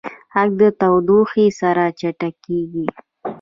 غږ د تودوخې سره چټکېږي.